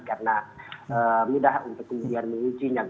karena mudah untuk kemudian menguncinya